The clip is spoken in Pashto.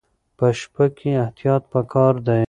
په شپه کې احتیاط پکار دی.